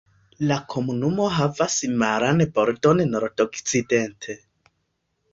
La komunumo havas maran bordon nordokcidente.